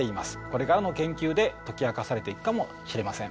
これからの研究で解き明かされていくかもしれません。